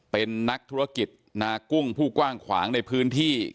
เป็นนักธุรกิจนากุ้งผู้กว้างขวางในพื้นที่